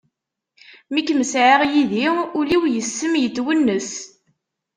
Mi kem-sɛiɣ yid-i, ul-iw yess-m yetwennes.